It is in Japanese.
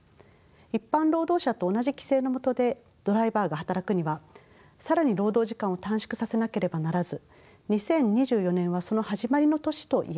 一般労働者と同じ規制のもとでドライバーが働くには更に労働時間を短縮させなければならず２０２４年はその始まりの年といえます。